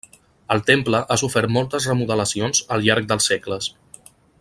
El temple ha sofert moltes remodelacions al llarg dels segles.